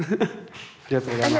ありがとうございます。